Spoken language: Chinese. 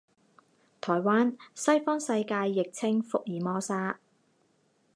台湾，西方世界亦称福尔摩沙。